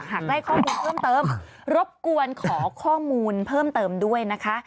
หากได้ข้อมูลเพิ่มเติมรบกวนขอข้อมูลเพิ่มเติมด้วยนะคะ